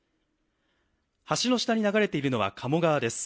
橋の下に流れているのは鴨川です。